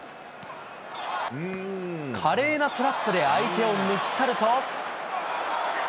華麗なトラップで相手を抜き去ると。